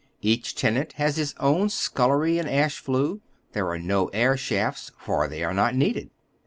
Each tenant has his own aeuilery and ash flue. There are no air shafts, for they are not needed.